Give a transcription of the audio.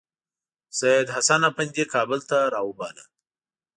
سیدحسن افندي کابل ته راوباله.